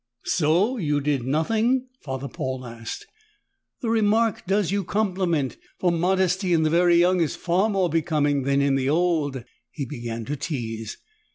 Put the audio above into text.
"So you did nothing?" Father Paul asked. "The remark does you compliment, for modesty in the very young is far more becoming than in the old." He began to tease.